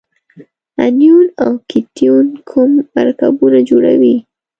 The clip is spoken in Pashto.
انیون او کتیون کوم مرکبونه جوړوي؟